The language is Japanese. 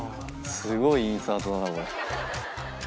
すごいインサートだなこれ。